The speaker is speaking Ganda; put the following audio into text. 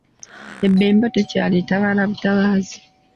Ebemba tekyala, etabaala butabaazi.